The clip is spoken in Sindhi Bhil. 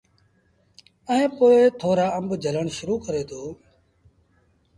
ائيٚݩ پو ٿورآ آݩب جھلڻ شرو ڪري دو۔